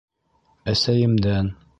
— Әсәйемдән.